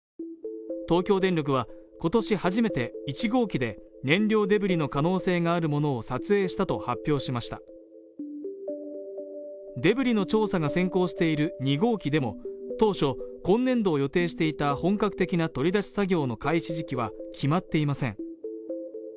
東京電力は今年初めて１号機で燃料デブリの可能性があるものを撮影したと発表しましたデブリの調査が先行している２号機でも当初今年度を予定していた本格的な取り出し作業の開始時期は決まっていません